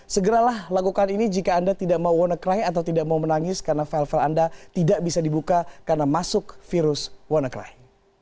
segeralah lakukan ini jika anda tidak mau wannacry atau tidak mau menangis karena file file anda tidak bisa dibuka karena masuk virus wannacry